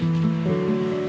gak usah lo nyesel